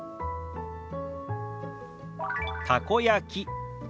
「たこ焼き」。